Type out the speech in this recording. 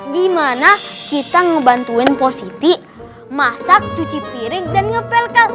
gimana kita ngebantuin positi masak cuci piring dan ngepel kal